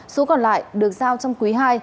số còn lại được giao trong quý hai